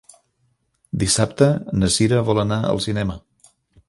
Dissabte na Sira vol anar al cinema.